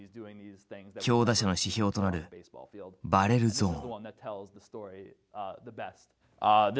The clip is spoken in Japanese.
強打者の指標となるバレルゾーン。